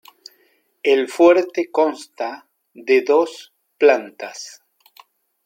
El fuerte consta de dos plantas.